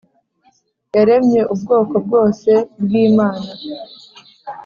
yaremye ubwoko bwose bwi mana